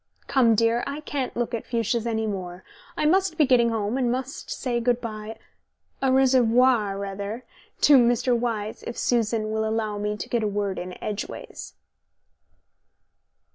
Come, dear, I can't look at fuchsias any more. I must be getting home and must say good bye au reservoir, rather to Mr. Wyse, if Susan will allow me to get a word in edgeways."